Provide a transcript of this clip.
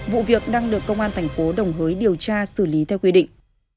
vụ việc đang được công an thành phố đồng hới điều tra xử lý theo quy định